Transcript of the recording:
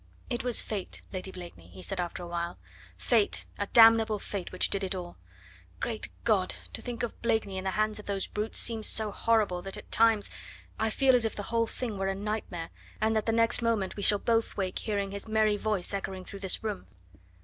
"It was Fate, Lady Blakeney," he said after a while. "Fate! a damnable fate which did it all. Great God! to think of Blakeney in the hands of those brutes seems so horrible that at times I feel as if the whole thing were a nightmare, and that the next moment we shall both wake hearing his merry voice echoing through this room."